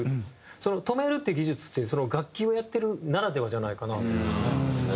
その止めるっていう技術ってその楽器をやってるならではじゃないかなと思うんですよね。